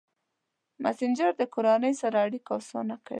مسېنجر د کورنۍ سره اړیکه اسانه کوي.